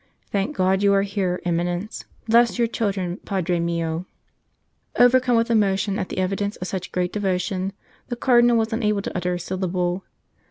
Thank God you are here, Eminence. Bless your children, Padre mio !" Overcome with emotion at the evidences of such great devotion, the Cardinal was unable to utter a syllable.